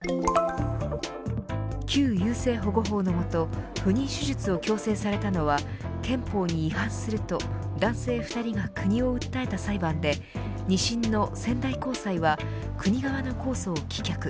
旧優生保護法の下不妊手術を強制されたのは憲法に違反すると男性２人が国を訴えた裁判で二審の仙台高裁は国側の控訴を棄却。